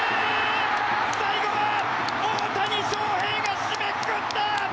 最後は大谷翔平が締めくくった！